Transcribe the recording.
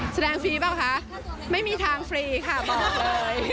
ฟรีเปล่าคะไม่มีทางฟรีค่ะบอกเลย